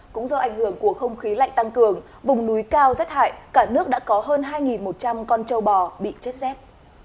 cũng do ảnh hưởng của không khí lạnh tăng cường vùng núi cao rét hại cả nước đã có hơn hai một trăm linh con châu bò bị chết rét